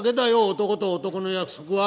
男と男の約束は。